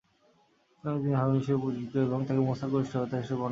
ইসলামে তিনি হারুন হিসেবে পরিচিত এবং তাঁকে মুসার কনিষ্ঠ ভ্রাতা হিসাবে বর্ণনা করা হয়েছে।